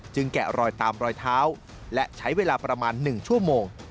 แกะรอยตามรอยเท้าและใช้เวลาประมาณ๑ชั่วโมง